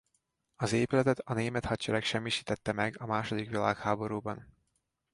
Az épületet a német hadsereg semmisítette meg a második világháborúban.